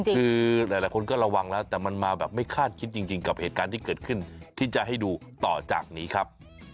คือหลายคนก็ระวังแล้วแต่มันมาแบบไม่คาดคิดจริงกับเหตุการณ์ที่เกิดขึ้นที่จะให้ดูต่อจากนี้ครับ